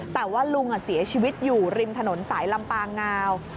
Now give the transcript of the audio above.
แต่ว่าลุงเสียชีวิตอยู่ริมถนนสายลำปางงาว